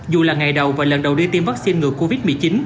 dù là ngày đầu và lần đầu tiên tiêm vaccine ngừa covid một mươi chín